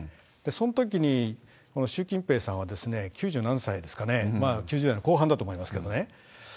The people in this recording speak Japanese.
そのときに習近平さんは九十何歳ですかね、９０代の後半だと思いますけどね。